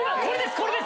これです！